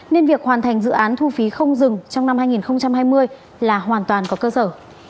nên việc hoàn thành dự án thu phí không dừng trong năm hai nghìn hai mươi là hoàn toàn có cơ sở